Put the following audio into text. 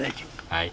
はい。